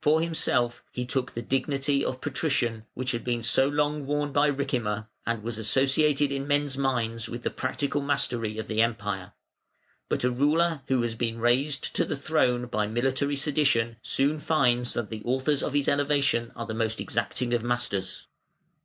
For himself, he took the dignity of "Patrician", which had been so long worn by Ricimer, and was associated in men's minds with the practical mastery of the Empire. But a ruler who has been raised to the throne by military sedition soon finds that the authors of his elevation are the most exacting of masters.